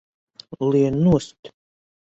Lien nost!